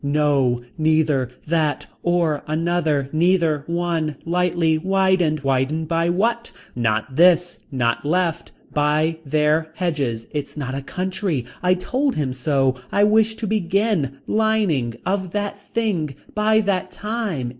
No Neither. That Or Another Neither One Lightly Widened. Widened by what. Not this. Not left. Buy Their Hedges. It's not a country. I told him so. I wish to begin. Lining. Of that thing. By that time.